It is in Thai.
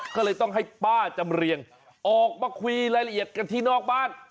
ก็เลยต้องให้ป้าจำเรียงออกมาคุยรายละเอียดกันที่นอกบ้าน